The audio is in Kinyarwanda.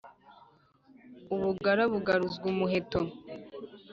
u bugara bugaruzwa umuheto.